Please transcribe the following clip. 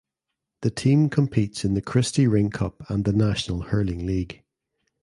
The team competes in the Christy Ring Cup and the National Hurling League.